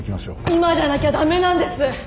今じゃなきゃダメなんです。